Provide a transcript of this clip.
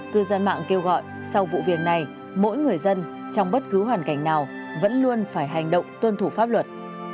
cư dân mạng kêu gọi sau vụ việc này mỗi người dân trong bất cứ hoàn cảnh nào vẫn luôn phải hành động tuân thủ pháp luật